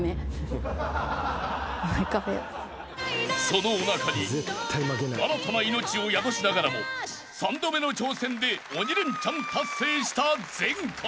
［そのおなかに新たな命を宿しながらも３度目の挑戦で鬼レンチャン達成した前回］